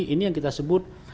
ini yang kita sebut